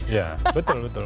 iya betul betul